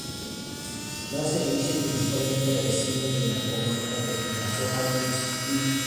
Da servicio principalmente a vecinos de la comarca de Bidasoa-Txingudi.